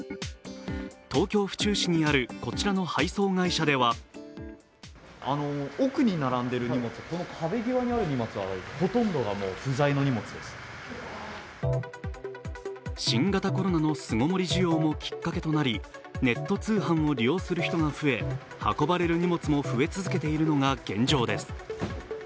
東京・府中市にあるこちらの配送会社では新型コロナの巣ごもり需要もきっかけとなり、ネット通販を使用する人が増え運ばれる荷物も増え続けているのが現状です。